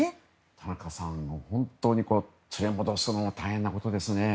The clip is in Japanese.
田中さん、本当に連れ戻すのは大変なことですね。